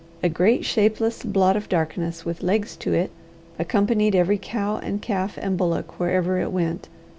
A great shapeless blot of darkness, with legs to it, accompanied every cow, and calf, and bullock wherever it went.